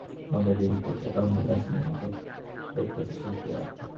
খাদি ঘরে এসেছেন শিল্পাচার্য জয়নুল আবেদিন, পটুয়া কামরুল হাসানের মতো প্রখ্যাত শিল্পীরা।